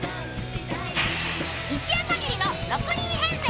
一夜かぎりの６人編成